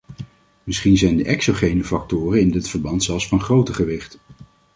Misschien zijn de exogene factoren in dit verband zelfs van groter gewicht.